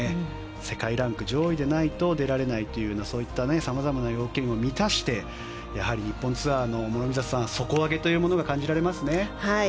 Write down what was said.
世界ランク上位でないと出られないというそういったさまざまな要件を満たして日本ツアーの、諸見里さん底上げが感じられますね。